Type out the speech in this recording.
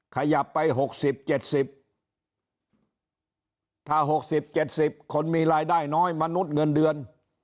ขยับไป๖๐๗๐ถ้า๖๐๗๐คนมีรายได้น้อยมนุษย์เงินเดือน